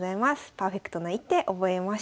パーフェクトな一手覚えましょう。